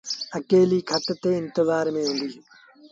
اڪيليٚ کٽ تي انتزآر ميݩ هُݩدي۔